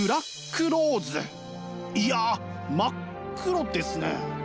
いや真っ黒ですね。